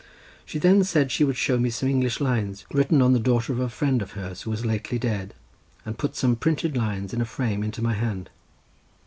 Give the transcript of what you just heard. She then said she would show me some English lines written on the daughter of a friend of hers who was lately dead, and put some printed lines in a frame into my hand.